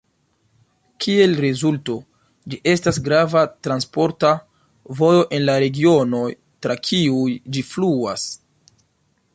Kiel rezulto, ĝi estas grava transporta vojo en la regionoj tra kiuj ĝi fluas.